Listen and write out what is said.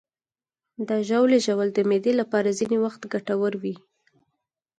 د ژاولې ژوول د معدې لپاره ځینې وخت ګټور وي.